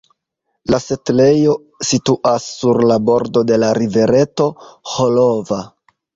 La setlejo situas sur la bordo de la rivereto "Ĥolova".